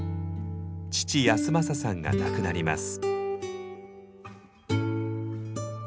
父安正さんが亡くなります。